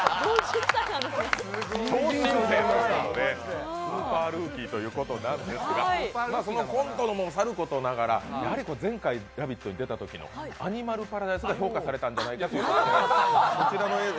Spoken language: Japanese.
超新星ということでスーパールーキということなんですがそのコントもさることながら、前回「ラヴィット！」に出たときの「アニマルパラダイス」で評価されたんじゃないかということで、こちらの映像。